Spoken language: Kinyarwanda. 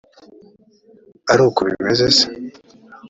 ari uko bimeze se